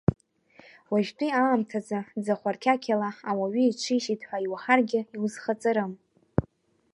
Уажәтәи аамҭазы ӡахәарқьақьала ауаҩы иҽишьит ҳәа иуаҳаргьы иузхаҵарым.